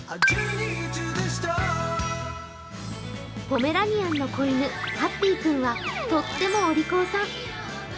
ポメラニアンの子犬、ハッピー君は、とってもお利口さん